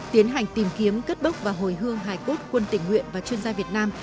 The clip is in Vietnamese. tiến hành tìm kiếm cất bốc và hồi hương hài cốt quân tỉnh nguyện và chuyên gia việt nam